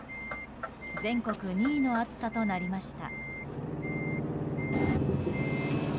全国２位の暑さとなりました。